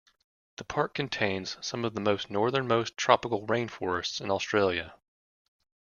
The park contains some of the northernmost tropical rainforests in Australia.